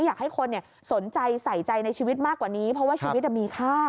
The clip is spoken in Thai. อยากให้คนสนใจใส่ใจในชีวิตมากกว่านี้เพราะว่าชีวิตมีค่า